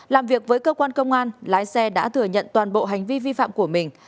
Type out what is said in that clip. làm việc với cơ quan công an lái xe đã thừa nhận toàn bộ hành vi vi phạm của mình